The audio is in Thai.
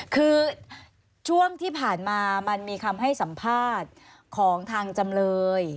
คือช่วงที่ผ่านมามันมีคำให้สัมภาษณ์ของทางจำเลย